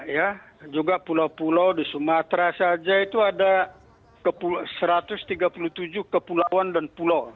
ya juga pulau pulau di sumatera saja itu ada satu ratus tiga puluh tujuh kepulauan dan pulau